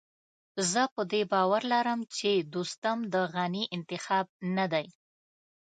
زه په دې باور لرم چې دوستم د غني انتخاب نه دی.